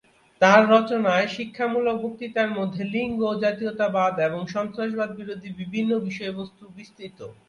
তার রচনায় শিক্ষামূলক বক্তৃতার মধ্যে লিঙ্গ, জাতীয়তাবাদ এবং সন্ত্রাসবাদ বিরোধী বিভিন্ন বিষয়বস্তু বিস্তৃত।